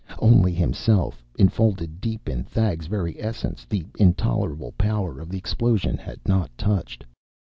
Only himself, enfolded deep in Thag's very essence, the intolerable power of the explosion had not touched.